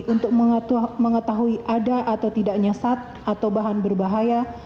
untuk mengetahui ada atau tidak nyesat atau bahan berbahaya